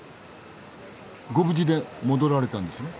ご無事で戻られたんですね？